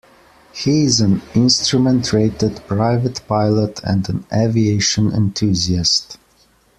He is an instrument rated private pilot and an aviation enthusiast.